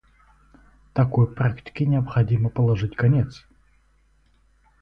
Такой практике необходимо положить конец.